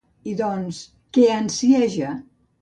I doncs, què ansieja?